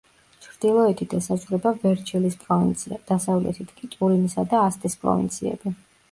ჩრდილოეთით ესაზღვრება ვერჩელის პროვინცია, დასავლეთით კი ტურინისა და ასტის პროვინციები.